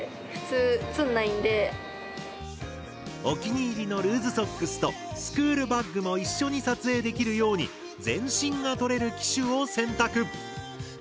お気に入りのルーズソックスとスクールバッグも一緒に撮影できるように全身が撮れる機種を選択。